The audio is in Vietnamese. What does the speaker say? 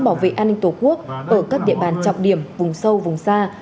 bảo vệ an ninh tổ quốc ở các địa bàn trọng điểm vùng sâu vùng xa